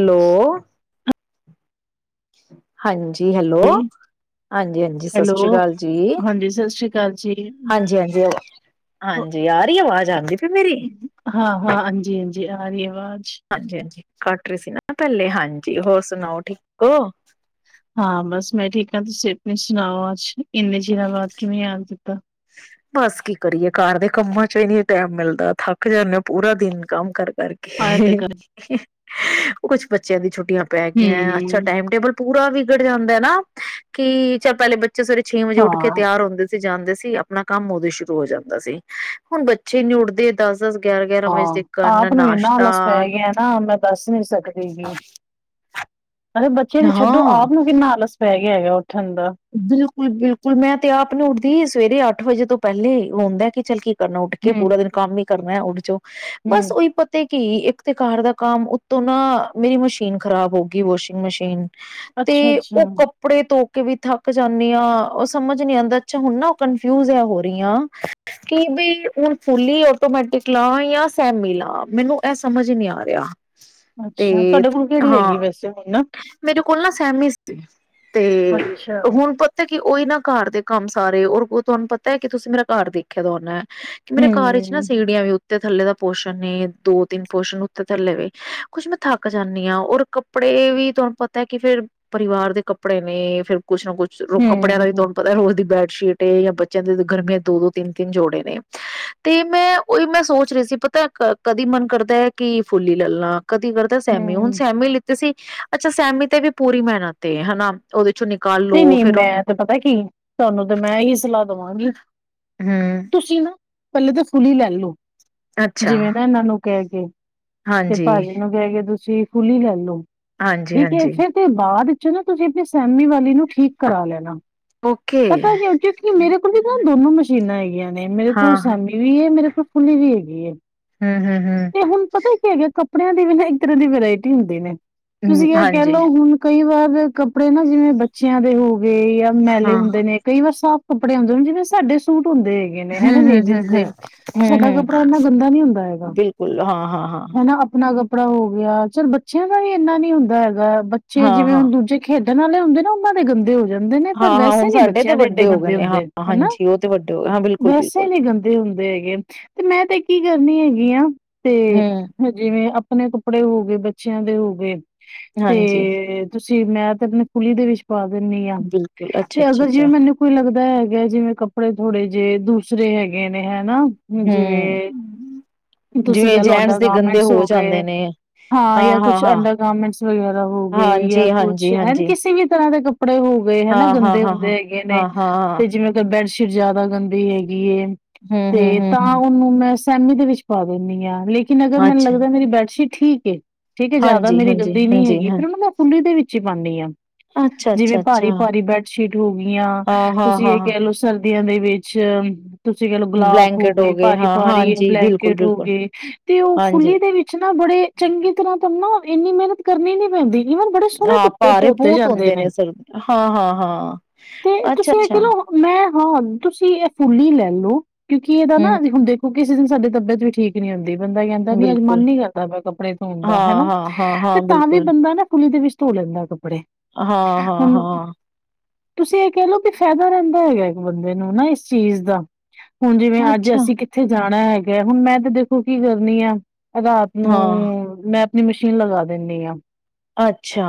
Hello. ਹਾਂਜੀ ਜੀ hello, ਹਾਂਜੀ -ਹਾਂਜੀ ਸਤਿ ਹੈਲੋ, ਸ੍ਰੀ ਅਕਾਲ ਜੀ ਹਾਂਜੀ ਸਤਿ ਸ੍ਰੀ ਅਕਾਲ ਜੀ। ਹਾਂਜੀ ਹਾਂਜੀ ਅ -ਹਾਂਜੀ ਆ ਰੀ ਆਵਾਜ਼ ਆਂਦੀ ਪੀ ਮੇਰੀ। ਹਾਂ-ਹਾਂ, ਹਾਂਜੀ-ਹਾਂਜੀ ਆ ਰਹੀ ਹੈ ਆਵਾਜ਼ ਹਾਂਜੀ ਹਾਂਜੀ ਕੱਟ ਰਹੀ ਸੀ ਨਾ ਪਹਿਲੇ। ਹਾਂਜੀ -ਹੋਰ ਸੁਣਾਓ ਠੀਕ ਹੋ? ਹਾਂ, ਬਸ ਮੈਂ ਠੀਕ ਹਾਂ। ਤੁਸੀਂ ਆਪਣੀ ਸੁਣਾਓ ਅੱਜ ਸ਼- ਇੰਨੇ ਚਿਰਾਂ ਬਾਅਦ ਕਿਵੇਂ ਯਾਦ ਕੀਤਾ? ਬਸ ਕੀ ਕਰੀਏ ਘਰ ਦੇ ਕੰਮਾਂ ਚੋ ਈ ਨੀਂ ਟੈਮ ਮਿਲਦਾ। ਥੱਕ ਜਾਂਨੇ ਪੂਰਾ ਦਿਨ ਕੰਮ ਕਰਕੇ- ਕਰਕੇ ਆਇਆ ਤੇ ਹੇਂਹੇਂ ਕਰ ਹਹ ਹੇਂੲ ਕੁਛ ਬੱਚਿਆਂ ਦੀ ਛੁਟ ਛੁਟੀਆਂ ਪੈ ਗੀਆਂ। ਅੱਛਾ ਹੂੰ। ਟਾਈਮ ਟੇਬਲ- ਪੂਰਾ ਵਿਗੜ ਜਾਂਦਾ ਏ ਨਾ ਕਿ ਚਾ ਪਹਿਲੇ ਬੱਚੇ- ਚੇ ਸਵੇਰੇ ਛੇਂ ਵਜੇ ਉੱਠ ਕੇ ਹਾਂ-ਹਾਂ, ਤਿਆਰ ਹੁੰਦੇ ਸ- ਤੇ ਜਾਂਦੇ ਸੀ ਆਪ- ਆਪਣਾ ਕੰਮ ਉਦੋਂ ਈ ਸ਼ੁਰੂ ਹੋ ਜਾਂਦਾ ਸੀ। ਹੁਣ ਬੱਚੇ ਨੀ ਉੱਠਦੇ ਦੱਸ- ਹਾਂ, ਆਪ ਨੂੰ ਇੰਨਾ ਆਲਸ ਪੈ ਗਿਆ ਨਾ। ਮੈਂ ਦੱਸ ਨੀ ਸਕਦੀ ਵੀ। ਅਤੇ, ਬੱਚੇ ਦੀ ਛੱਡੋ। ਹਾਂ ਆਪ ਨੂੰ ਕਿੰਨਾ ਆਲਸ ਪੈ- ਕੇ ਹੈਗਾ ਠੰਡਾ ਬਿਲਕੁਲ ਮੈਂ ਤੇ ਆਪ ਨਹੀਂ ਉੱਠਦੀ ਸਵੇਰੇ ਅੱਠ ਵਜੇ ਤੋਂ ਪਹਿਲੇ। ਉਹ ਹੁੰਦਾ ਕਿ ਚੱਲ ਕੀ- ਕੀ, ਕਰਨਾ ਉੱਠ ਕੇ, ਪੂਰਾ ਦਿਨ ਕੰਮ ਈ ਕਰਨਾ ਉਹਦੇ ਚੋ ਬਸ, ਹੂੰ-ਹੂੰ, ਉਹੀ ਪਤੇ ਕਿ, ਇੱਕ ਤੇ ਕਾਰ ਦਾ ਕੰਮ, ਉੱਤੋਂ ਨਾ ਮੇਰੀ ਮਸ਼ੀਨ ਖ਼ਰਾਬ ਹੋ ਗਈ, ਵਾਸ਼ਿੰਗ ਮਸ਼ੀਨ। ਤੇ, ਅੱਛਾ-ਅੱਛਾ, ਉਹ ਅੱਛਾ ਕੱਪੜੇ ਤੋਂ ਕਿ, ਵੀ ਥੱਕ ਜਾਂਦੀ ਹਾਂ, ਉਹ ਸਮਝ ਨੀ ਆਉਂਦਾਛ ਹੁਣ ਨਾ ਉਹ ਕਨਫਿਊਜ ਹੋ ਰਹੀ ਆ, ਕਿ ਬਿ ਹੁਣ ਫੁਲੀ ਆਟੋਮੈਟਿਕ ਲਾ ਜਾਂ ਸੈਮੀ ਲਾ ਮੈਨੂੰ ਇਹ ਸਮਝ ਨੀ ਆ ਰਿਹਾ। ਅੱਛਾ ਤੇ, ਅੱਛਾ ਤੁਹਾਡੇ ਕੋਲ ਕਿਹੜੀ ਹੈਗੀ ਹਾਂ, ਵੈਸੇ ਹੁਣ? ਮੇਰੇ ਕੋਲ ਨਾ ਸਹਿਮੀ ਸੀ, ਤੇ ਅੱਛਾ, ਹੁਣ, ਪਤੇ ਕਿ ਉਹਈ ਨਾ ਘਰ ਦੇ ਕੰਮ ਸਾਰੇ ਰ ਤੁਹਾਨੂੰ ਪਤਾ ਹੈ, ਕਿ ਤੁਸੀਂ ਮੇਰਾ ਘਰ ਦੇਖਿਆ ਦਾ ਹੋਨਾ ਕਿ, ਮੇਰੇ ਘਰ ਵਿਚ ਨਾ ਹੂੰ। ਸੀੜੀਆਂ ਵੀ ਉੇਤੇ ਥੱਲੇ ਦਾ ਪੋਸ਼ਣ ਨੇ ਦੋ, ਤਿੰਨ ਪੋਸ਼ਣ ਉੱਤੇ- ਥੱਲੇ ਵੇ ਕੁੱਝ ਮੈਂ ਥੱਕ ਜਾਂਦੀ ਹਾਂ, ਔਰ ਕੱਪੜੇ ਵੀ ਤੁਹਾਨੂੰ ਪਤਾ ਹੈ, ਕਿ ਫੇਰ ਪਰਿਵਾਰ ਦੇ ਕੱਪੜੇ ਨੇ ਫਿਰ ਕੁਛ, ਨਾ ਕੁਛ ਰੋ ਕੱਪੜਿਆਂ ਵੀ ਤੁਹਾਨੂੰ ਹੂੰ-ਹੂੰ ਪਤਾ ਰੋਜ਼ ਬੈਟ ਸ਼ੀਟ ਏ ਜਾਂ ਬੱਚਿਆਂ ਦੇ ਗਰਮੀਆਂ ਦੋ, ਦੋ, ਤਿੰਨ, ਤਿੰਨ ਜੋੜੇ ਨੇ, ਤੇ ਮੈਂ ਉਹੀ ਮੈਂ ਸੋਚ ਰਹੀ ਸੀ, ਪਤਾ ਕਦੀ ਮਨ ਕਰਦਾ ਹੈ, ਕਿ ਫੁੱਲਲੀ ਲੈਲਾਂ। ਕਦੀ ਕਰਦਾ ਸੈਮੀ ਹੁਣ ਸਹਿਮੇ ਲਿੱਤੇ ਸੀ। ਅੱਛਾ। ਸੈਮੀ ਤੇ ਵੀ ਪੂਰੀ ਮਿਹਨਤ ਹਨਾ ਉਹਦੇ ਚੋਂ ਨ ਨਹੀਂ, ਨਹੀਂ, ਮੈਂ ਤੇ, ਪਤਾ ਕੀ ਤੁਹਾਨੂੰ ਤੇ, ਮੈਂ ਇਹੀ ਸਲਾਹ ਦੇਵਾਂਗੀ। ਹੂੰ, ਤੁਸੀਂ ਨਾ ਪਹਿਲੇ ਤਾਂ ਫੁੱਲ ਹੀ ਲੈ ਲੋ ਅੱਛਾ ਜਿਵੇਂ ਨਾ ਇਹਨਾਂ ਨੂੰ ਕਹਿ ਕੇ ਤੇ ਹਾਂਜੀ, ਭਾਜੀ ਨੂੰ ਕਹਿ ਕੇ ਦੂ ਥੀ ਖੁੱਲ੍ਹ ਹ ਲੈ, ਲੋ ਹਾਂਜੀ, ਠੀਕ ਏ, ਹਾਂਜੀ। ਫੇਰ ਤੇ ਬਾਅਦ ਚ ਨਾ ਤੁਸੀਂ ਆਪਣੇ ਸਹਿਮੀ ਵ ਈਨੂੰ ਠੀਕ ਕਰਾ ਲੈਣਾ। ਓਕੇ। ਪਤਾ, ਕਿਉ ਕਿ, ਮੇਰੇ ਕੋਲ ਵੀ ਨਾ, ਦੋਨੋ ਮਸ਼ੀਨਾਂ ਹੈਗੀਆਂ ਨੇ, ਮੇਰੇ ਕੋਲ ਹਾਂ, ਸੈਮੀ ਵੀ ਹੈ, ਮੇਰੇ ਕੋਲ ਫੁਲੀ ਵੀ, ਹੈ ਗੀ ਏ। ਹੂੰ-ਹੂੰ-ਹੂੰ, ਤੇ, ਹੁਣ ਪਤਾ ਹੀ, ਕੀ ਹੈਗਾ ਕੱ ਕੱਪੜਿਆਂ ਦੀ ਵੀ ਨਾ, ਇੱਕ ਤਰ੍ਹਾਂ ਦੀ ਵਰਾਇਟੀ ਹੁੰਦੀ ਨੇ‌ ਤੁਸੀਂ ਇਹ, ਕਹਿ ਹਾਂਜੀ ਲਓ ਹੁਣ ਕਈ ਵਾਰ ਕੱਪੜੇ ਨਾ ਜਿਵੇਂ ਬੱਚਿਆਂ ਦੇ, ਹੋ ਯਾ ਮੈਲੇ ਹਾਂ, ਹੁੰਦੇ ਨੇ, ਕਈ ਵਾਰ ਸਾਬ ਕੱਪੜੇ ਹੁੰਦੇ ਨੀ ਜਿਵੇ ਸਾਡੇ ਸੂਟ ਹੁੰਦੇ ਹੈਗੇ ਨੇ ਹੈਨਾ ਲੇਜਿਸ ਹੂੰ-ਹੂੰ-ਹੂੰ-ਹੂੰ। ਦੇ, ਸਾਡਾ ਕੱਪੜਾ ਇੰਨਾ ਗੰਦਾ ਨੀ ਹੁੰਦਾ ਹੈਗਾ। ਕੁਲ ਹਾਂ-ਹਾਂ-ਹਾਂ ਹਨਾ ਆਪਣਾ ਕੱਪੜਾ ਹੋ ਗੇਆ, ਚੱਲ ਬੱਚਿਆਂ ਦਾ ਵੀ ਏਂਨਾ ਨੀ ਹੁੰਦਾ ਹੈਗਾ ਬੱਚੇ ਜਿਵੇਂ ਹਾਂ-ਹਾਂ। ਹੁਣ ਦੂਜੇ ਖੇਡ [unintelligible] ਹੁੰਦੇ ਨਾ ਉਨਾਂ ਦੇ ਗੰਦੇ ਹੋ ਜਾਂਦੇ ਨੇ ਪਰ ਹਾਂ-ਹਾਂ ਹੁਣ ਵੈਸੇ ਨੀ ਸਾਡੇ ਤੇ ਬੱਚਿਆਂ ਦੇ ਵੱਡੇ ਏਡੇ ਹੋ ਗਏ ਗੰਦੇ ਨੇ ਹਾਂ ਹੁੰਦੇ ਹਨਾ, ਹਾਂਜੀ ਉਹ ਤੇ ਵੱਡੇ ਹੋ ਗਏ ਹਾਂ ਵੈਸੇ ਬਿਲਕੁਲ-ਬਿਲਕੁਲ। ਨੀ ਗੰਦੇ ਹੁੰਦੇ ਹੈਗੇ। ਤੇ ਮੈਂ ਤੇ ਕੀ ਕਰਨੀ ਹੈਗੀ ਆਂ ਤੇ ਹੂੰ, ਜਿਵੇਂ ਅਪ ਅਪਣੇ ਕੱਪੜੇ ਹੋ ਗਏ, ਬੱਚਿਆਂ ਦੇ ਹੋ ਗਏ। ਹਾਂਜੀ ਤੇ ਜੀ ਮੈਂ ਤੇ ਅਪਣੇ ਕੁਲੀ ਦੇ ਵਿੱਚ ਪਾ ਦਿਨੀ ਆਂ, ਬਿਲਕੁਲ ਤੇ ਅਗਰ ਜਿਵੇਂ ਅੱਛਾ-ਅੱਛਾ-ਅੱਛਾ ਮੇਨੂੰ ਕੋਈ ਲੱਗ ਹੈਗਾ ਜਿਵੇਂ ਕੱਪੜੇ ਥੋੜ੍ਹੇ ਜੇ, ਦੂਸਰੇ ਹੈਗੇ ਨੇ ਹੈ ਨਾ ਹੂੰ। ਜਿਵੇਂ ਤੁਸੀਂ ਜਿਵੇਂ ਕੈ ਲਓ ਜੈਂਟਸ ਅੰਡਰ ਦੇ ਗੰਦੇ ਗਾਰਮੈਂਟਸ ਹੋ ਜਾਂਦੇ ਗਏ, ਨੇ ਹਾਂ ਯਾ ਕੁਛ ਹਾਂ-ਹਾਂ-ਹਾਂ, ਅੰਡਰ ਗਾਰਮੈਂਟਸ ਵਗੈਰਾ ਹੋ ਗਏ ਯਾ ਕੁਛ ਹੈਨੀ ਹਾਂਜੀ-ਹਾਂਜੀ-ਹਾਂਜੀ। ਕਿਸੇ ਵੀ ਤਰ੍ਹਾਂ ਦੇ ਕੱਪੜੇ ਹੋ ਗਏ ਹਾਂ, ਹਨਾ ਹਾਂ, ਗੰਦੇ ਹਾਂ, ਹੁੰਦੇ ਹੈਗੇ ਹਾਂ, ਨੇ, ਹਾਂ, ਹਾਂ। ਤੇ ਜਿਵੇਂ ਕ ਬੈਡਸ਼ੀਟ ਜਆਦਾ ਗੰਦੀ ਹੈ ਹੂੰ, ਹੂੰ, ਤੇ ਹੂੰ, ਤਾਂ ਹੂੰ ਉਹਨੂੰ ਮੈਂ ਸੈਮੀ ਦੇ ਵਿੱਚ ਪਾ ਦਿੰਨੀ ਆਂ। ਲੇਕਿਨ ਅਗਰ ਮੇਨੂੰ ਅੱਛਾ ਲੱਗਦਾ ਮੇਰੀ ਬੈਡਸ਼ੀਟ ਠੀਕ ਏ। ਠੀਕ ਹੈ ਜਾਅਦਾ ਹਾਂਜੀ, ਮੇਰੀ ਹਾਂਜੀ, ਗੰਦੀ ਨੀ ਹਾਂਜੀ ਹੈਗੀ ਹਾਂ। ਫਿਰ ਉਨੂੰ ਮੈਂ ਫੂਲੀ ਦੇ ਵਿੱਚ ਈ ਪਾਨੀ ਆ, ਅੱਛਾ, ਜਿਵੇਂ ਅੱਛਾ, ਅੱਛਾ ਭਾਰੀ-ਭਾਰੀ ਬੈਡਸ਼ੀਟ ਹੋ ਗਈਆਂ, ਹਾਂ, ਹਾਂ, ਤੁਸੀਂ ਹਾਂ। ਏ ਹਾਂ, ਕੈ ਲਓ ਸਰ [unintelligible] ਵਿੱਚ ਤੁਸੀਂ ਕੈਲੋ ਗਲਾਫ ਹੋ ਬਲੈਂਕਟ ਗਏ, ਹਾਂ, ਭਾਰੀ-ਭਾਰੀ ਹਾਂਜੀ ਬਿਲਕੁਲ, ਬਲੈਂਕੇਟ ਹੋ ਬਿਲਕੁਲ ਗਏ, ਤੇ ਓ ਹਾਂਜੀ ਫੁੱਲੀ ਦੇ ਵਿੱਚ ਨਾ ਬੜੇ ਚੰਗੀ ਤਰ੍ਹਾਂ ਤਨ ਨਾ ਇੰਨੀ ਮੈਨਤ ਕਰਨੀ ਨੀ ਪੈਂਦੀ। ਈਵਨ ਬੜੇ ਸੋਣੇ ਹਾਂ ਤੁ ਭਾਰੇ ਧੋਤੇ ਬਹੁਤ ਜਾਂਦੇ ਹੁੰਦੇ ਨੇ, ਸਰ ਹਾਂ, ਹਾਂ, ਹਾਂ ਤੇ ਅੱਛਾ, ਤੁਸੀਂ ਏ ਕੈ ਅੱਛਾ ਲਓ ਮੈਂ ਹਾਂ ਤੁਸੀਂ ਐ ਫੁੱਲੀ ਲੈ ਲਓ, ਕਿਉਂਕਿ ਏਦਾ ਨਾ ਹੂੰ। ਹੁਣ ਦੇਖੋ ਕਿਸੇ ਦਿਨ ਸਾਡੀ ਤਬੀਅਤ ਵੀ ਠੀਕ ਠੀਕ ਨੀਂ ਹੁੰਦੀ। ਬੰਦਾ ਕੈਂਦਾ ਨੀਂ ਐ ਅੱਜ ਮਨ ਬਿਲਕੁਲ ਨੀ ਕਰਦਾ ਪੇਆ ਕੱਪੜੇ ਧੋਣ ਦਾ ਹਾਂ, ਹੈਨਾ, ਹਾਂ, ਹਾਂ, ਤੇ ਹਾਂ ਤਾਂ ਵੀ ਬਿਲਕੁਲ ਬੰਦਾ ਨਾ ਫੁੱਲੀ ਦੇ ਵਿੱਚ ਧੋ ਲੈਂਦਾ ਕੱਪ ਬੜੇ, ਹਾਂ, ਹਾਂ, ਹੁਣ, ਹਾਂ। ਤੁਸੀਂ ਏ ਕੈ ਲਓ ਕਿ ਫਾਇਦਾ ਰਹਿੰਦਾ ਹੈਗਾ ਇੱਕ ਬੰਦੇ ਨੂੰ ਨਾ ਇਸ ਚੀਜ਼ ਦਾ ਹੁਣ ਜਿਵੇਂ ਅੱਜ ਅੱਛਾ ਅਸੀਂ ਕਿੱਥੇ ਜਾਣਾ ਮੈਂ ਹੈਗੇ ਹੁਣ ਮੈਂ ਦੇਖੋ ਕੀ ਕਰਨੀ ਆ। ਰਾਤ ਨੂੰ ਹਾਂ ਮੈਂ ਮਸ਼ੀਨ ਲਗਾ ਦਿੰਨੀ ਆਂ। ਅੱਛਾ,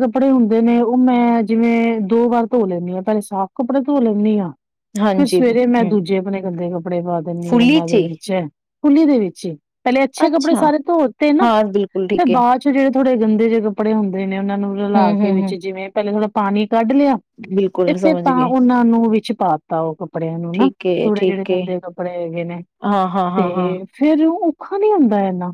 ਕੱਪੜੇ ਹੁੰਦੇ ਨੇ ਉਹ ਮੈਂ ਜਿਵੇਂ ਦੋ ਵਾਰ ਧੋ ਲੈਂਦੀ ਹਾਂ, ਪਹਿਲੇ ਸਾਫ਼ ਕੱਪੜੇ ਧੋ ਲੈਂਦੀ ਹਾਂ। ਫਿਰ ਹਾਂਜੀ ਸਵੇਰੇ ਮੈਂ ਹੂੰ ਦੂਜੇ ਆਪਣੇ ਗੰਦੇੇ ਕੱ ਕੱਪੜੇ ਪਾ ਦਿੰਨੀ ਆਂ ਫੁੱਲੀ ਇਹਨਾਂ ਦੇ ਚੀ ਫੁਲੀ ਦੇ ਵਿੱਚ ਹੀ ਪਹਿਲੇ ਅੱਛੇ ਕੱਪੜੇ ਅੱਛਾ ਸਾਰੇ ਧੋਤੇ ਨਾ ਹਾਂ ਬਿਲਕੁਲ ਤੇ ਠੀਕ ਹੈ ਬਾਅਦ ਚ ਜਿਹੜੇ ਥੋੜੇ ਗੰਦੇ ਜੇ ਕੱਪੜੇ ਹੁੰਦੇ ਆ। ਨੇ ਉਹਨਾਂ ਨੂੰ ਹੂੰ, ਰਲਾ ਕੇ ਹੂੰ, ਹੂੰ ਵਿੱਚ ਜਿਵੇਂ ਪਹਿਲੇ ਥੋੜਾ ਪਾਣੀ ਕੱਢ ਲਿਆ ਤੇ ਬਿਲਕੁਲ ਫਿਰ ਸਮਝ ਤਾਂ ਗਏ। ਉਹਨਾਂ ਨੂੰ ਵਿੱਚ ਪਾਤਾ ਉਹ ਕੱਪੜਿਆਂ ਨੂੰ ਨਾ ਠੀਕ ਏ ਥੋੜੇ ਜਿਹੜੇ ਠੀਕ ਏ ਗੰਦੇ ਕੱਪੜੇ ਹੈਗੇ ਨੇ। ਹਾਂ ਹਾਂ ਹਾਂ ਹਾਂ ਤੇ ਫਿਰ ਔਖਾ ਨੀ ਹੁੰਦਾ ਇੰਨਾ।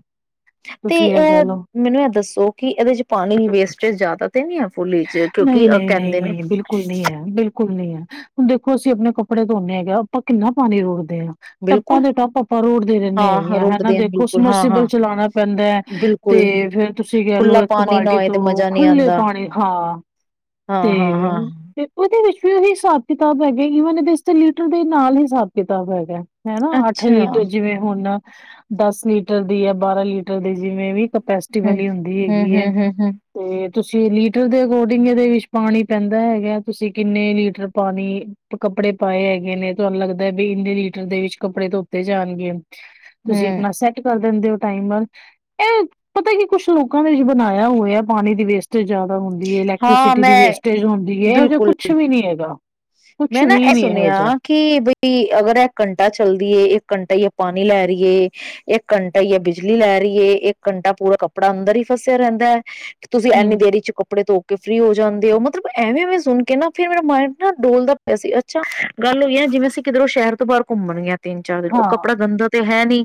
ਤੇ ਇਹ ਮੈਨੂੰ ਇਹ ਦੱਸੋ ਕਿਉਂਕਿ ਇਹਦੇ ਚ ਪਾਣੀ ਵੇਸਟੇਜ ਜ਼ਿਆਦਾ ਤੇ ਨੀ ਹੈ ਫੁੱਲੀ ਚ ਕਿਉਂਕਿ ਨਹੀਂ, ਨਹੀਂ, ਕਹਿੰਦੇ ਨੇ ਨਹੀਂ ਬਿਲਕੁਲ ਨਹੀਂ ਹੈ, ਬਿਲਕੁਲ ਨਹੀਂ ਹੈ ਹੁਣ ਦੇਖੋ ਅਸੀਂ ਆਪਣੇ ਕੱਪੜੇ ਧੋਣੇ ਹੈਗੇ ਆਪਾਂ ਕਿੰਨਾ ਪਾਣੀ ਰੋਕਦੇ ਟੱਪਾਂ ਬਿਲਕੁਲ ਦੇ ਟੱਪ ਆਪਾਂ ਰੋੜਦੇ ਰਹਿੰਦੇ ਹੈਗੇ ਹਾਂ ਆ ਹਨਾ ਰੋਕਦੇ ਦੇਖੋ ਬਿਲਕੁਲ ਹਾਂ ਸਮਰਸੀਬਲ ਹਾਂ ਚਲਾਣਾ ਪੈਂਦਾ ਹੈ, ਬਿਲਕੁਲ ਤੇ ਫੇਰ ਤੁਸੀਂ ਕਹਿ ਲਓ ਖੁੱਲਾ ਇੱਕ ਪਾਣੀ ਨਾ ਬਾਲਟੀ ਹੋਏ ਤੇ ਤੋਂ ਮਜ਼ਾ ਨਹੀਂ ਖੁੱਲੇ ਆਉਂਦਾ ਪਾਣੀ ਹਾਂ ਹਾਂ ਤੇ ਹਾਂ ਹਾਂ ਫਿਰ ਉਹਦੇ ਵਿੱਚ ਹਿਸਾਬ ਕਿਤਾਬ ਹੈਗੇ ਈਵਨਦੇ ਲੀਟਰ ਦੇ ਨਾਲ ਹੀ ਹਿਸਾਬ ਕਿਤਾਬ ਹੈਗਾ। ਹੈਨਾ ਅੱਠ ਅੱਛਾ ਲੀਟਰ ਜਿਵੇਂ ਹੁਣ ਦਸ ਲੀਟਰ ਦੀ ਐ, ਬਾਰਾਂ ਲੀਟਰ ਦੀ ਜਿਵੇਂ ਵੀ ਹਮ ਕਪੈਸਟੀਵਲ ਹੀ ਹੁੰਦੀ ਹਮ ਹੈਗੀ ਹੈ ਹਮ ਹਮ ਹਮ ਤੇ ਤੁਸੀਂ ਲੀ ਲੀਟਰ ਦੇ ਅਕੋਰਡਿੰਗ ਇਹਦੇ ਵਿੱਚ ਪਾਣੀ ਪੈਂਦਾ ਹੈਗਾ, ਤੁਸੀਂ ਕਿੰਨੇ ਲੀਟਰ ਪਾਣੀ ਕੱਪੜੇ ਪਾਏ ਹੈਗੇ ਨੇ, ਤੁਹਾਨੂੰ ਲੱਗਦਾ ਵੀ ਇੰਨੇ ਲੀਟਰ ਦੇ ਵਿੱਚ ਕੱਪੜੇ ਧੋਤੇ ਜਾਣਗੇ। ਤੁਸੀਂ ਹਮ ਆਪਣਾ ਸੈੱਟ ਕਰ ਦਿੰਦੇ ਹੋ ਟਾਈਮ ਵੱਲ ਇਹ ਪਤਾ ਕੀ ਕੁਛ ਲੋਕਾਂ ਨੇ ਜ ਬਣਾਇਆ ਹੋਇ ਆ ਪਾਣੀ ਦੀ ਵੇਸਟੇਜ ਆ ਹੁੰਦੀ ਹੈ ਹਾਂ ਇਲੈਕਟ੍ਰੀਸਿਟੀ ਦੀ ਮੈਂ ਵੇਸਟੇਜ ਹੁੰਦੀ ਹੈ, ਇਹੋ ਜਿਹਾ ਬਿਲਕੁਲ ਕੁਛ ਵੀ ਨੀ ਹੈਗਾ। ਕੁਛ ਮੈਂ ਨਾ ਵੀ ਇਹ ਨੀ ਇਹੋ ਸੁਣਿਆ ਜਿਹਾ ਕਿ ਬਈ ਅਗਰ ਇੱਕ ਘੰਟਾ ਚੱਲਦੀ ਹੈ ਇੱਕ ਘੰਟਾ ਹੀ ਪਾਣੀ ਲੈ ਰਹੀਏ, ਇੱਕ ਘੰਟਾ ਹੀ ਹੈ ਬਿਜਲੀ ਲੈ ਰਹੀਏ, ਇੱਕ ਘੰਟਾ ਪੂਰਾ ਕੱਪੜਾ ਅੰਦਰ ਹੀ ਫਸਿਆ ਰਹਿੰਦਾ ਹੈ, ਤੁਸੀਂ ਇੰਨੀ ਹੂੰ, ਦੇਰੀ ਚ ਕੱੱਪੜੇ ਧੋ ਕੇ ਫਰੀ ਹੋ ਜਾਂਦੇ ਹੋ ਮਤਲਬ ਐਵੇਂ ਐਵੇਂ ਮੈਂ ਸੁਣ ਕੇ ਨਾ ਫਿਰ ਮੇਰਾ ਮਾਈਂਡ ਨਾ ਡੋਲਦਾ ਪਿਆ ਸੀ ਅੱਛਾ ਗੱਲ ਹੋਈ ਹੈ ਜਿਵੇਂ ਅਸੀਂ ਕਿਧਰੋਂ ਸ਼ਹਿਰ ਤੋਂ ਬਾਹਰ ਘੁੰਮਣ ਗ ਤਿੰਨ ਚਾਰ ਦਿਨ ਉਹ ਹਾਂ ਕੱਪੜਾ ਗੰਦਾ ਤੇ ਹੈ ਨੀ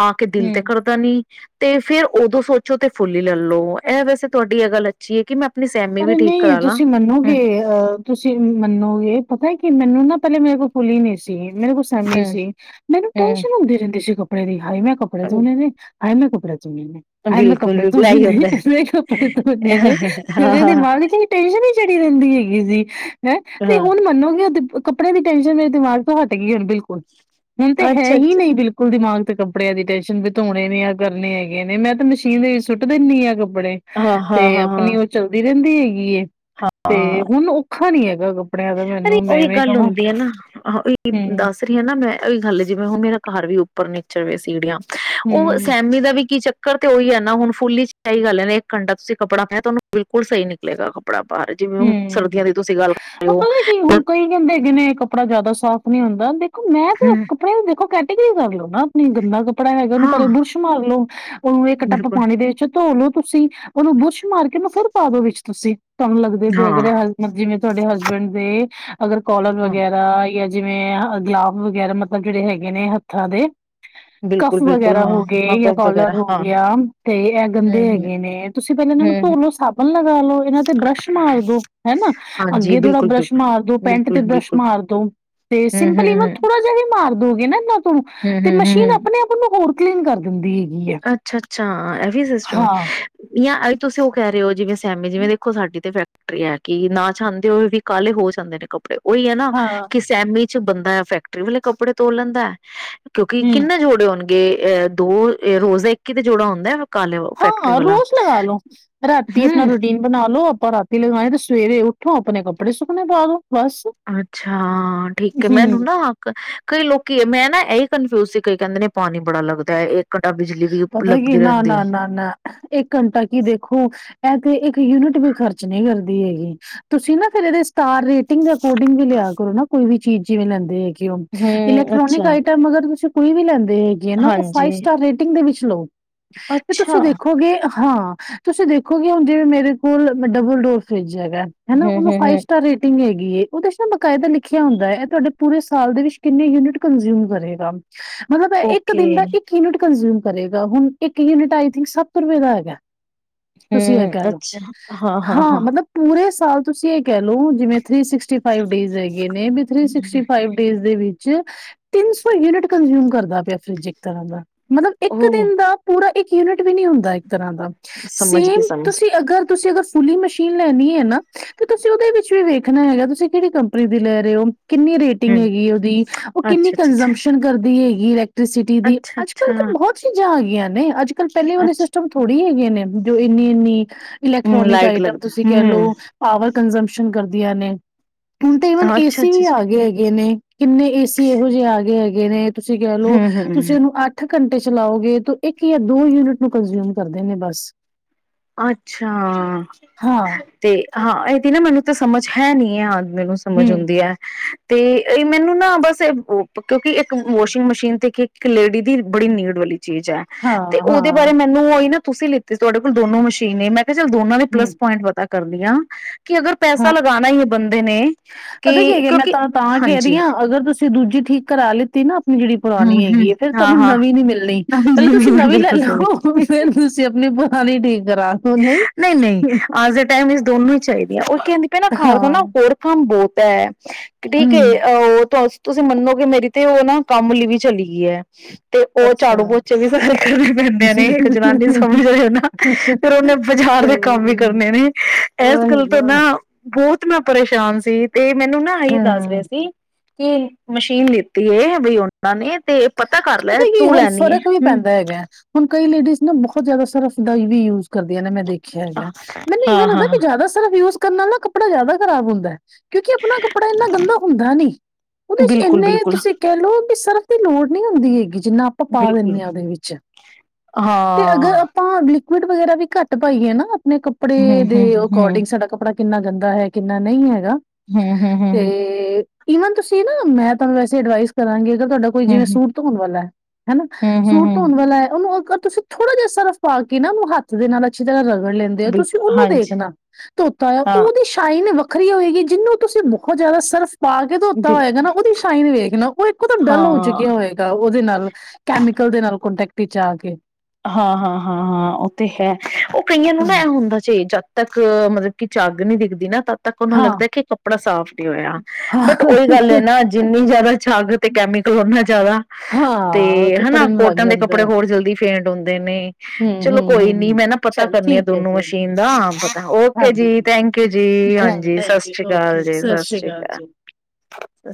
ਆ ਕੇ ਦਿਲ ਤੇ ਹੂੰ ਕਰਦਾ ਨੀ ਤੇ ਫੇਰ ਉਦੋਂ ਸੋਚੋ ਤੇ ਫੁੱਲ ਹੀ ਲੈ ਲੋ, ਇਹ ਵੈਸੇ ਤੁਹਾਡੀ ਇਹ ਗੱਲ ਅੱਛੀ ਹੈ ਕਿ ਮੈਂ ਆਪਣੀ ਸੈਮੀ ਪਰ ਵੀ ਠੀਕ ਨਹੀਂ ਕਰਾ ਲਾ ਤੁਸੀਂ ਹੂੰ ਮੰਨੋਗੇ ਅਹ ਤੁਸੀਂ ਮਨੋਗੇ ਇਹ ਪਤਾ ਕਿ ਮੈਨੂੰ ਨਾ ਪਹਿਲੇ ਮੇਰੇ ਕੋਲ ਫੂਲੀ ਨਹੀਂ ਸੀ। ਮੇਰੇ ਕੋਲ ਸੈਮੀ ਹੂੰ ਸੀ, ਮੈਨੂੰ ਟੈਨਸ਼ਨ ਹੂੰ ਹੁੰਦੀ ਰਹਿੰਦੀ ਸੀ ਕਪੜੇ ਵੀ ਹਾਈ ਮੈਂ ਕਪੜੇ ਧੋਣੇ ਨੇ ਹਾਏ ਮੈ ਕਪੜੇ ਹਾਏ ਮੈਂ ਬਿਲਕੁਲ, ਕੱਪੜੇ ਧੋਣੇ ਬਿਲਕੁਲ ਐਹੀ ਨੇ, ਹੁੰਦਾ ਹੈ। ਕੱਪੜੇ ਧੋਣੇ ਨੇ। ਫਿਰ ਹਾਂ, ਇਹਦੀ ਹਾਂ, ਦਿਮਾਗ ਵਿੱਚ ਟੈਸ਼ਨ ਹੀ ਚੜੀ ਰਹਿੰਦੀ ਹੈਗੀ ਸੀ। ਹੈਂ ਤੇ ਹਾਂ, ਹੁਣ ਮੰਨੋਗੇ ਕੱੱਪੜੇ ਦੀ ਟੇਨਸ਼ਨ ਮੇਰੇ ਦਿਮਾਗ ਤੋਂ ਹਟ ਗਈ ਹੁਣ ਬਿਲਕੁਲ। ਹੁਣ ਤੇ ਹੈ ਅੱਛਾ, ਹੀ ਅੱਛਾ। ਨਹੀਂ ਬਿਲਕੁਲ ਦਿਮਾਗ ਕੱਪੜਿਆਂ ਦੀ ਟੈਨਸ਼ਨ ਵੀ ਧੋਣੇ ਨੇ ਆ ਕਰਨੇ ਹੈਗੇ ਨੇ ਮੈਂ ਤਾਂ ਮਸ਼ੀਨ ਦੇ ਵੀਚ ਸੁੱਟ ਦਿੰਦੀ ਆਂ ਕਪ ਪੜੇ ਹਾਂ, ਹਾਂ, ਤੇ ਹਾਂ, ਆਪਣੀ ਹਾਂ, ਉਹ ਚੱਲਦੀ ਰਹਿੰਦੀ ਹੈਗੀ ਹੇ। ਤੇ ਹਾਂ ਹੁਣ ਔਖਾ ਨੀ ਹੈਗਾ, ਕੱਪੜਿਆਂ ਦਾ ਅਰੇ ਮੈਨੂੰ ਮੈਂ ਉਹੀ ਇਵੇਂ ਗੱਲ ਕਵਾਂ ਹੁੰਦੀ ਏ ਨਾ, ਉਹੀ ਹੂੰ, ਦੱਸ ਰਹੀ ਆ ਨਾ ਮੈਂ ਉਹੀ ਗੱਲ ਜਿਵੇਂ ਹ ਮੇਰਾ ਘਰ ਵੀ ਉੱਪਰ ਨੇ ਸੀੜੀਆਂ ਉਹ ਹੂੰ, ਸੈਮੀ ਦਾ ਵੀ ਕੀ ਚੱਕ ਚੱਕਰ ਤੇ ਉਹੀ ਹੈ ਨਾ ਹੁਨ ਫੁੱਲੀ ਏਹੀ ਗੱਲ ਹੈ ਨਾ ਇੱਕ ਘੰਟਾ ਤੁਸੀਂ ਕੱਪੜਾ ਪਾਇਆ ਤੇ ਉਹਾਨੂੰ ਬਿਲਕੁਲ ਸਹੀ ਨਿਕਲੇਗਾ। ਕਪੜਾ ਬਾਹਰ ਜਿਵੇਂ ਹੁਣ ਸਰਦੀਆਂ ਹੂੰ ਦੀ ਤੁਸੀਂ ਗੱਲ ਰਹੇ ਹੋ ਪਤਾ ਨੀ ਕੀ ਹੁਣ ਕਈ ਕਹਿੰਦੇ ਹੈਗੇ ਕਪੜਾ ਜ਼ਿਆਦਾ ਸਾਫ਼ ਨੀ ਹੁੰਦਾ ਦੇਖੋ ਮੈਂ ਤੇ ਹੂੰ, ਕੱਪੜੇ ਕਹੋ ਕੈਟੇਗਰੀ ਕਰ ਲਓ ਨਾ ਆਪਣੀ ਗੰਦਾ ਕੱਪੜਾ ਹੈਗਾ ਉਹਨੂੰ ਹਾਂ ਪਹਿਲੇ ਬੁਰੁਸ਼ ਮਾਰ ਲੋੋ, ਉਹਨੂੰ ਇੱਕ ਟੱਪ ਬਿਲਕੁਲ ਪਾਣੀ ਦੇ ਵਿੱਚ ਧੋ ਲਓ। ਤੁਸੀਂ ਉਹਨੂੰ ਬੁਰਸ਼ ਮਾਰ ਕੇ ਉਹਨੂੰ ਫਿਰ ਪਾ ਦੋ ਵਿੱਚ ਤੁਸੀਂ। ਕੰਮ [unintelligible] ਹਾਂ, ਜਿਵੇਂ ਤੁਹਾਡੇ ਹਸ ਹਸਬੈਂਡ ਦੇ ਅਗਰ ਕੋਲਰ ਹਾਂ ਵਗੈਰਾ ਜਾਂ ਜਿਵੇਂ ਗਲਾਬ ਵਗੈਰਾ ਮਤਲਬ ਜਿਹੜੇ ਹੈਗੇ ਨੇ ਹੱਥਾਂ ਦੇ ਕਫ ਬਿਲਕੁਲ, ਬਿਲਕੁਲ ਵਗੈਰਾ ਹਾਂ, ਹੋ ਹਾਂ ਗਏ ਜਾਂ ਕਬ ਕੋਲਰ ਵਗੈਰਾ ਹੋ ਹਾਂ, ਗਿਆ, ਤੇ ਇਹ ਹੂੰ, ਗੰਦੇ ਹੂੰ, ਹੈਗੇ ਨੇ ਤੁਸੀਂ ਪਹਿਲਾਂ ਇਹਨਾਂ ਨੂੰ ਹੂੰ, ਧੋ ਹੂੰ ਲਓ ਸਾਬਣ ਲਗਾ ਲਓ ਇਹਨਾਂ ਦੇ ਬਰੱਸ਼ ਮਾਰ ਦੋ ਹਨਾ, ਹਾਂਜੀ ਅੱਗੇ ਥੋੜਾ ਬਿਲਕੁਲ, ਬਰੱਸ਼ ਬਿਲਕੁਲ, ਮਾਰ ਦੋ, ਪੈਂਟ ਬਿਲਕੁਲ, ਤੇ ਬਿਲਕੁਲ। ਬਰੱਸ਼ ਮਾਰ ਦੋ, ਤੇ ਹੂੰ, ਸਿੰਪਲ ਨਾ ਹੂੰ, ਹੂੰ, ਥੋੜਾ ਜਿਹਾ ਵੀ ਮਾਰ ਦੋਗੇ ਨਾ [unintelligible] ਹੂੰ, ਤੇ ਹੂੰ, ਹੂੰ, ਮਸ਼ੀਨ ਹੂੰ। ਆਪਣੇ-ਆਪ ਨੂੰ ਹੋਰ ਕਲੀਨ ਕਰ ਦਿੰਦੀ। ਹੈਗੀ ਹੈ ਅੱਛਾ-ਅੱਛਾ ਇਹ ਵੀ ਸਿਸਟਮ ਹਾਂ ਜਾ ਇਹ ਵੀ ਤੁਸੀਂ ਉਹ ਕਹਿ ਰਹੇ ਹੋ ਜਿਵੇਂ ਜਿਵੇਂ ਜਿਵੇ ਦੇਖੋ ਸਾਡੀ ਤੇ ਫੈ ਫੈਕਟਰੀ ਆ ਕੀ ਨਾ ਚਾਹੁੰਦੇ ਹੋ ਵੀ ਕਾਲੇ ਹੋ ਜਾਂਦੇ ਨੇ ਕੱਪੜੇ। ਤੇ ਉਹੀ ਏ ਨਾ ਹਾਂ ਕਿ ਸੈਮੀ ਵਿੱਚ ਬੰਦਾ ਫੈਕਟਰੀ ਵਾਲੇ ਕੱਪੜੇ ਧੋ ਲੈਂਦਾ ਕਿਉਂਕਿ ਹਮ ਕਿੰਨੇ ਜੋੜੇ ਹੋਣਗੇ ਗੇ ਆ ਦੋ ਇਹ ਰੋਜ਼ਾ ਇੱਕ ਹੀ ਤੇ ਜੋੜਾ ਹੁੰਦਾ। ਕਾਲੇ ਫੈਕਟਰੀ ਹਾਂ ਵਾਲਾ ਰੋਜ਼ ਲਗਾ ਲੋ, ਰਾਤੀ ਆਪਣਾ ਹੂੰ ਰੂਟੀਨ ਬਣਾ ਲੋ। ਆਪਾਂ ਰਾਤੀ ਲਗਾਉਣੀ ਤੇ ਸਵੇਰੇ ਉੱਠੋ ਆਪਣੇ ਕੱਪੜੇ ਸੁੱਕਣੇ ਪਾ ਦੋ। ਬਸ ਅੱਛਾ ਠੀਕ ਹੈ ਹਮ ਮੈਨੂੰ ਨਾ ਕਈ ਲੋਕੀ ਮੈਂ ਨਾ ਇਹ ਕਨਫਿਊਜ ਸੀ ਕਈ ਕਹਿੰਦੇ ਨੇ ਪਾਣੀ ਬੜਾ ਲੱਗਦਾ ਏ ਪਤਾ ਕੀ ਨਾ ਨਾ ਨਾ ਨਾ ਇੱਕ ਘੰਟਾ ਕੀ ਦੇਖੋ ਇਹ ਤੇ ਇੱਕ ਯੂਨਿਟ ਵੀ ਖਰਚ ਨਹੀਂ ਕਰਦੀ ਹੈਗੀ, ਤੁਸੀਂ ਨਾ ਫਿਰ ਇਹਦੇ ਸਟਾਰ ਰੇਟਿੰਗ ਦੇ ਅਕੋਰਡਿੰਗ ਵੀ ਲਿਆ ਕਰੋ ਨਾ ਕੋਈ ਵੀ ਚੀਜ਼ ਜਿਵੇਂ ਲੈਂਦੇ ਹੈਗੇ। ਹੂੰ ਇਲੈਕਟ੍ਰੋਨਿਕ ਅੱਛਾ ਆਈਟਮ ਅਗਰ ਤੁਸੀ ਕੋਈ ਵੀ ਲੈਂਦੇ ਹੈਗੇ ਨਾ ਉਹ ਹਾਂਜੀ ਫਾਈਵ ਸਟਾਰ ਰੇਟ। ਦੇ ਵਿੱਚ ਲੌ, ਤੇ ਅੱਛਾ ਤੁਸੀਂ ਵੈਖੋਗੇ ਹਾਂ ਤੁਸੀਂ ਦੇਖੋਗੇ ਹੁਣ ਜਿਵੇਂ ਮੇਰੇ ਕੋਲ ਡਬਲ ਡੋਰ ਫਰਿੱਜ ਹੈਗਾ ਹਨਾ ਹੂੰ ਉਹਨੂੰ ਹੂੰ ਫਾਈਵ ਹੂੰ ਸਟਾਰ ਰੇਟਿੰਗ ਹੈਗੀ ਉਹਦੇ ਚ ਨਾ ਬਕਾਇਦਾ ਲਿਖਿਆ ਹੁੰਦਾ ਹੈ ਤੁਹਾਡੇ ਪੂਰੇ ਸਾਲ ਦੇ ਵਿੱਚ ਕਿੰਨੇ ਯੂਨਿਟ ਕੰਜਿਊਮ ਕਰੇਗਾ। ਮਤਲਬ ਇੱਕ ਓਕੇ ਦਿਨ ਦਾ ਇੱਕ ਯੂਨਿਟ। ਕਰੇਗਾ ਹੁਣ ਇੱਕ ਯੂਨਿਟ ਆਈ ਥਿੰਕ ਸੱਤ ਰੁਪਏ ਦਾ ਹੈਗਾ। ਤੁਸੀਂ ਇਹ ਕਹਿ ਲਓ ਹਾਂ ਮਤਲਬ ਪੂਰੇ ਸਾਲ ਤੁਸੀਂ ਇਹ ਕਹਿ ਲੋ ਜਿਵੇਂ ਥ੍ਰੀ ਸਿਕਸਟੀ ਫਾਈਵ ਡੇਜ ਹੈਗੇ ਨੇ ਵੀ੍ ਥ੍ਰੀ ਸਿਕਸਟੀ ਫਾਈਵ ਡੇਜ ਦੇ ਵੀ ਤਿੰਨ ਸੌ ਯੂਨਿਟ ਕੰਜ਼ਿਊਮ ਕਰਦਾ ਪਿਆ ਫਰਿਜ ਇੱਕ ਤਰ੍ਹਾਂ ਦਾ ਮਤਲਬ ਇੱਕ ਉਹ ਦਿਨ ਦਾ ਪੂਰਾ ਇੱਕ ਯੂਨਿਟ ਵੀ ਨਹੀਂੀ ਹੁੰਦਾ ਤਰ੍ਹਾਂ ਦਾ, ਸਮਝ ਗਈ ਸੇਮ ਸਮਝ ਤੁਸੀਂ ਗਈ, ਅਗਰ ਤੇ ਅਗਰ ਫੁਲੀ ਮਸ਼ੀਨ ਲੈਣੀ ਹੈ ਨਾ ਤੁਸੀਂ ਉਹਦੇ ਵਿੱਚ ਵੀ ਵੇਖਣਾ ਹੈਗਾ ਤੁਸੀਂ ਕਿਹੜੀ ਕੰਪਨੀ ਦੀ ਲੈ ਰਹੇ ਹੋ ਕਿੰਨੀ ਰੇਟਿੰਗ ਹੂੰ ਹੈਗੀ ਉਹਦੀ, ਉਹ ਕਿੰਨੀ ਅੱਛਾ ਅੱਛਾ ਅੱਛਾ ਕੰਜੰਪਸ਼ਨ ਕਰਦੀ ਹੈਗੀ। ਕੀ ਰੇਟ ਟੀ ਦੀ ਅੱਛਾ [unintelligible] ਅੱਛਾ ਬਹੁਤ ਚੀਜ਼ਾਂ ਆ ਗਈ ਨੇ ਅੱਜ ਪਹਿਲੇ ਵਾਲ ਅੱਛ ਸਿਸਟਮ ਥੋੜ੍ਹੀ ਹੈਗੇ ਹੈ। ਜੋ ਇੰਨੀ ਇੰਨੀ ਹੂੰ ਇਲੈਕਟ੍ਰੋਨਿਕ ਲਾਈਟ ਆਈਟਮ ਲੱਗਦਾ ਤੁਸੀਂ ਕਹਿ ਹੂੰ ਲਓ ਪਾਵਰ ਕਨਜ਼ਮਸ਼ਨ ਕਰਦੀਆਂ ਨੇ ਹੁਣ ਤਾਂ ਈਵਨ ਅੱਛਾ ਅੱਛਾ ਏਸੀ ਵੀ ਅੱਛਾ, ਆ ਗਏ ਹੈਗੇ ਨੇ ਕਿੰਨੇ ਏਸੀ ਇਹੋ ਜਿਹੇ ਆ ਗਏ ਹੈਗੇ ਨੇ ਤੁਸੀਂ ਕਹਿ ਲਓ ਹੂੰ ਤੁਸੀਂ ਹੂੰ ਉਹਨੂੰ ਅੱ ਘੰਟੇ ਚਲਾਓਗੇ ਤੂੰ ਇੱਕ ਜਾਂ ਦੋ ਯੂਨਿਟ ਨੂੰ ਕੰਜ਼ਿਊਮ ਕਰਦੇ ਨੇ ਬਸ ਅੱਛਾ ਹਾਂ ਤੇ ਹਾਂ ਇਹਦੀ ਨਾ ਮੈਨੂੰ ਤਾਂ ਸਮਝ ਹੈ ਨੀ ਆ ਮੈਨੂੰ ਸਮਝ ਹੂੰ ਆਉਂਦੀ ਹੈ। ਤੇ ਇਹ ਮੈਨੂੰ ਨਾ ਬਸ ਕਿਉਂਕਿ ਇੱਕ ਵਾਸ਼ਿੰਗ ਮਸ਼ੀਨ ਤੇ ਕੀ ਇੱਕ ਲੇਡੀ ਦੀ ਬੜੀ ਨੀਡ ਵਾਲੀ ਚੀਜ਼ ਹੈ ਹਾਂ ਤੇ ਉਹਦੇ ਹਾਂ ਬਾਰੇ ਮੈਨੂੰ ਉਹਈ ਨਾ ਤੁਸੀਂ ਲਿੱਤੀ ਸੀ, ਤੁਹਾਡੇ ਦੋ ਮਸ਼ੀਨਾਂ, ਮੈਂ ਚੱਲ ਦੋਨਾਂ ਦੇ ਹੂੰ ਪਲੱਸ ਪੁਆਇੰਟ ਪਤਾ ਕਰਦੀਆਂ ਕਿ ਅਗਰ ਪੈਸਾ ਹਾਂ ਲਗਾਉਣਾ ਈ ਆ, ਬੰਦੇ ਨੇ ਪਤਾ ਕਿ ਗਿਆ ਮੈਂ ਕਿਉਂਕਿ ਤਾਂ ਤਾਂ ਕਹਿ ਰਹੀ ਹਾਂਜੀ ਆ, ਅਗਰ ਤੁਸੀਂ ਦੂਜੀ ਠੀਕ ਕਰਾ ਲਿੱਤੀ ਨਾ ਜਿਹੜੀ ਹਮ ਪੁਰਾਣੀ ਹਮ ਹੈਗੀ ਹੈ, ਫੇਰ ਹਾਂ ਤੁਹਾਨੂੰ ਹਾਂ ਨਵੀਂ ਨੀ ਮਿਲਣੀ, ਪਹਿਲਾਂ ਤੁਸੀਂ ਨਵੀਂ ਲੈ ਬਿਲਕੁਲ ਲਓ, ਸਹੀ ਫੇਰ ਤੁਸੀਂ ਆਪਣੀ ਪੁਰਾਣੀ ਠੀਕ ਕਰਾ ਦੋ ਨਹੀਂ, ਨਹੀਂ ਅੱਜ ਦੇ ਟਾਈਮ ਇਸ ਦੋਨੋਂ ਹੀ ਚਾਹੀਦੀਆਂ ਉਹ ਹਾਂ। ਆ ਠੀਕ ਹੂੰ ਏ ਅਹ ਉਹ ਤਾਂ ਤੁਸੀਂ ਮੰਨੋਗੇ ਮੇਰੀ ਤੇ ਉਹ ਨਾ ਕੰਮ ਲਈ ਵੀ ਚਲੀ ਗਈ ਆ। ਤੇ ਉਹ ਝਾੜੂ ਅੱਛਾ ਪੋਚੇ ਵੀ ਸਾਰੇ ਕਰਨੀ ਪੈਂਦੇਆਂ ਨੇ ਸਹੀ ਇੱਕ ਜਨਾਨੀ ਸਮਝ ਰਹੇ ਹੋ ਨਾ, ਫਿਰ ਉਹਨੇ ਬਾਜ਼ਾਰ ਦੇ ਕੰਮ ਵੀ ਗੱਲ ਆ ਕਰਨੇ ਨੇ ਇਸ ਗੱਲ ਤੋਂ ਨਾ ਬਹੁਤ ਮੈਂ ਪਰੇਸ਼ਾਨ ਸੀ ਤੇ, ਮੈਨੂੰ ਨਾ ਇਹਈ ਦੱਸ ਰਿਹੇ ਹੂੰ ਸੀ ਕਿ ਮਸ਼ੀਨ ਲਿਤੀ ਆ, ਬਈ ਉਹ ਪਤਾ ਨਹੀਂ ਚ ਪਤਾ ਕੀ, ਹੁਣ ਫਰਕ ਵੀ ਹਮ ਪੈਂਦਾ ਹੈਗਾ, ਹੁਣ ਕਈ ਲੇਡੀਜ਼ ਨਾ ਬਹੁਤ ਜ਼ਿਆਦਾ, ਸਰਫ਼ ਡਾਈ ਵੀ ਯੂਜ ਯੂਜ ਕਰਦੀਆਂ ਨੇ ਮੈਂ ਦੇਖਿਆ ਹੈਗਾ, ਮੈਨੂੰ ਇਵੇਂ ਹਾਂ ਹਾਂ ਲੱਗਦਾ ਵੀ ਹਾਂ ਜ਼ਿਆਦਾ ਸਰਫ਼ ਯੂਜ ਕਰਨ ਨਾਲ ਕੱਪੜਾ ਜ਼ਿਆਦਾ ਖਰਾਬ ਹੁੰਦਾ ਹੈ। ਕਿਉਂਕਿ ਆਪਣਾ ਕੱਪੜਾ ਇੰਨਾ ਗੰਦਾ ਹੁੰਦਾ ਨੀ, ਉਹਦੇ ਚ ਬਿਲਕੁਲ ਇੰਨੇ ਬਿਲਕੁਲ ਤੁਸੀਂ ਕਹਿ ਲਓ ਵੀ ਸਰਫ ਦੀ ਲੋੜ ਨਹੀਂ ਹੁੰਦੀ ਹੈਗੀ, ਜਿੰਨਾ ਆਪਾਂ ਪਾ ਬਿਲਕੁਲ ਦਿੰਦੇ ਹਾਂ ਉਹਦੇ ਵਿੱਚ ਤੇ ਅਗਰ ਹਾਂ ਆਪਾਂ ਅਗਲੀ ਲੀਕ ਵੱਡ ਵਗੈਰਾ ਵੀ ਘੱਟ ਪਾਈਏ ਨਾ ਆਪਣੇ ਹਮ ਕੱਪੜੇ ਦੇ ਹਮ ਹਮ ਅਕੋਰਡਿੰਗ, ਸਾਡਾ ਕੱਪੜਾ ਕਿੰਨਾ ਗੰਦਾ ਹੈ, ਕਿੰਨਾ ਨਹੀਂ ਹੈ ਗਾ ਹਮ ਹਮ ਹਮ ਤੇ ਈਵਨ ਤੁਸੀਂ ਨਾ, ਮੈਂ ਤੁਹਾਨੂੰ ਵੈਸੇ ਐਡਵਾਈਸ ਕਰਾਂਗੇ ਅਗਰ ਕੋਈ ਹਮ ਜਿਵੇਂ ਸੂਟ ਧੋਣ ਵਾਲਾ ਆ ਹਨਾ, ਹਮ ਹਮ ਸੂਟ ਹਮ ਧੋਣ ਵਾਲਾ ਆ ਉਹਨੂੰ ਤੁਸੀਂ ਥੋੜਾ ਜਿਹਾ ਸਰਫ ਪਾ ਕੇ ਨਾ ਹੱਥ ਦੇ ਨਾਲ ਅੱਛੀ ਤਰ੍ਹਾਂ ਰਗ ਲੈਂਦੇ ਆ, ਤੁਸੀਂ ਬਿਲਕੁਲ ਉਹਨੂੰ ਹਾਂਜੀ ਦੇਖਣਾ ਧੋਤਾ ਹੋਇਆ, ਹਾਂ ਉਹਦੀ ਸ਼ਾਈਨ ਵ ਵੱਖਰੀ ਹੋਏਗੀ, ਜਿਹਨੂੰ ਤੁਸੀਂ ਬਹੁਤ ਜ਼ਿਆਦਾ ਸਰਫ ਪਾ ਕੇ ਧੋਤਾ ਬਿਲ ਹੋਏਗਾ ਨਾ ਉਹਦੀ ਸ਼ਾਈਨ ਵੇਖ ਨਾ ਉਹ ਇੱਕਦਮ ਡਲ ਹੋ ਹਾਂ, ਆ ਹੋਏਗਾ, ਉਹਦੇ ਨਾਲ ਕੈਮੀਕਲ ਦੇ ਨਾਲ ਕੋਂਟੈ ਵਿਚ ਆਕੇ ਹਾਂ ਹਾਂ ਹਾਂ ਹਾਂ ਉਹ ਤੇ ਹੈ, ਉਹ ਕਈਆਂ ਨੂੰ ਨਾ ਹੂੰ ਐਂ ਹੁੰਦਾ ਜੇ ਤੱਕ ਮਤਲਬ ਕਿ ਝੱਗ ਨੀ ਦਿਖਦੀ ਨਾ ਤਾਂ ਤੱਕ ਉਹੂੰ ਹਾਂ, ਲੱਗਦਾ ਕਿ ਕੱਪੜਾ ਸਾਫ਼ ਨਹੀਂ ਹੋਇਆ ਬਟ ਹਾਂ, ਉਹੀ ਗੱਲ ਨਾ ਜਿੰਨੀ ਜ਼ਿਆਦਾ ਛਾਗ ਤੇ ਕੈਮੀਕਲ ਉਹਨਾਂ ਜ਼ਿਆਦਾ ਤੇ ਹਾਂ ਹਨਾ ਕੱਪੜੇ ਨੂੰ ਲੱਗ ਕੋਟਨ ਦੇ ਜਾਂਦਾ ਕੱਪੜੇ ਹੈ ਹੋਰ ਜਲਦੀ ਪੇਂਟ ਹੁੰਦੇ ਨੇ ਹੂੰ, ਚਲੋ ਹੂੰ, ਕੋਈ ਨੀ ਹੂੰ ਮੈਂ ਨਾ ਪਤਾ ਚਲ ਕਰਨੀ ਆ ਠੀਕ ਹੈ ਦੋਨੋ ਜੀ ਮਸ਼ੀਨ ਦਾ ਪਤਾ ਓਕੇ ਜੀ ਹਾਂਜੀ। ਥੈਂਕੂ ਜੀ ਥੈਂਕ ਹਾਂਜੀ ਸਤ ਥੈਂਕ ਯੂ ਸ੍ਰੀ ਅਕਾਲ ਓਕੇ ਜੀ ਸਤਿ ਸ਼੍ਰੀ ਸ੍ਰੀ ਅਕਾਲ ਜੀ ਅੱਛਾ